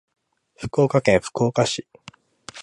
福岡県福岡市